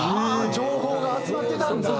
情報が集まってたんだ！